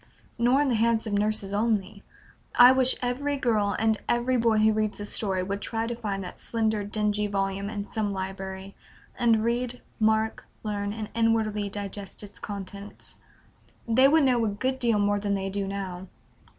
Nor in the hands of nurses only; I wish every girl and every boy who reads this story would try to find that slender, dingy volume in some library, and "read, mark, learn, and inwardly digest" its contents. They would know a good deal more than they do now.